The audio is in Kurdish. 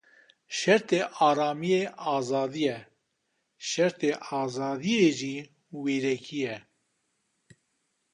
Şertê aramiyê azadî ye, şertê azadiyê jî wêrekî ye.